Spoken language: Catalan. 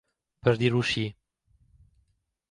Per dir-ho així.